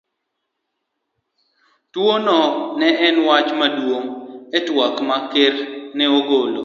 Tuwono ne en wach maduong ' e twak ma Ker ne ogolo